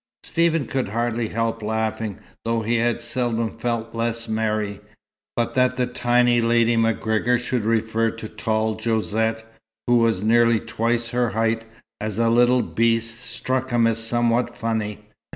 Stephen could hardly help laughing, though he had seldom felt less merry. But that the tiny Lady MacGregor should refer to tall Josette, who was nearly twice her height, as a "little beast," struck him as somewhat funny.